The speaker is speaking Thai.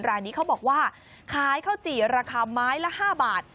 รายนี้เขาบอกว่าขายข้าวจี่ราคาไม้ละ๕บาท